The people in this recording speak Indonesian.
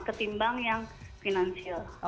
ketimbang yang finansial